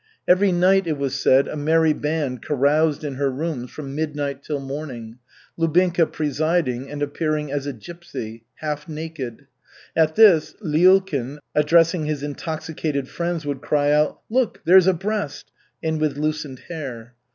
Every night, it was said, a merry band caroused in her rooms from midnight till morning, Lubinka presiding and appearing as a "gypsy," half naked (at this, Lyulkin, addressing his intoxicated friends, would cry out, "Look, there's a breast!") and with loosened hair.